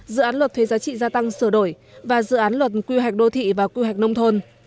dự án luật thuê giá trị gia tăng sửa đổi và dự án luật quy hoạch đô thị và quy hoạch nông thôn